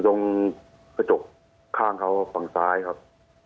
ตรงกระจกข้างเขาฝั่งซ้ายครับ